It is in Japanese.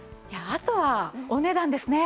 あとはお値段ですね。